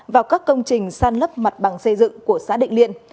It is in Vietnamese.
vào các công trình san lấp mặt bằng xây dựng của xã định liên